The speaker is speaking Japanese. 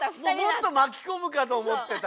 もっとまきこむかと思ってた。